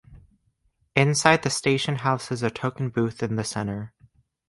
Inside the station house is a token booth in the center.